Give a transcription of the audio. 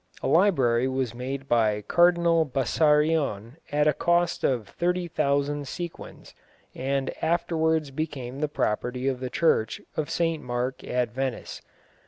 A library was made by Cardinal Bessarion at a cost of thirty thousand sequins, and afterwards became the property of the church of St Mark at Venice.